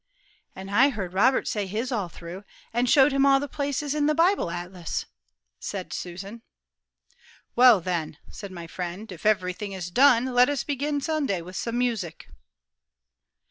"And I heard Robert say his all through, and showed him all the places on the Bible Atlas," said Susan. "Well, then," said my friend, "if everything is done, let us begin Sunday with some music."